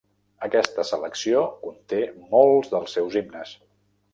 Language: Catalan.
Aquesta selecció conté molts dels seus himnes.